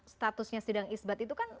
statusnya sidang isbat itu kan